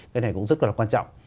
cái này cũng rất là quan trọng